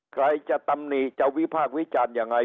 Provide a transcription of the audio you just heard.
ใครจะตำหนิจะวิพากษ์วิจารณ์ยังไง